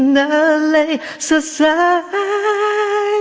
นั่นเลยสุดสุดปาย